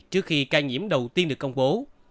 trước khi ca nhiễm đầu tiên được công bố